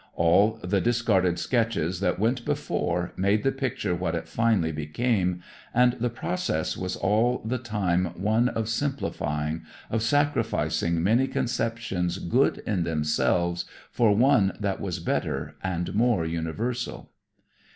All the discarded sketches that went before made the picture what it finally became, and the process was all the time one of simplifying, of sacrificing many conceptions good in themselves for one that was better and more universal.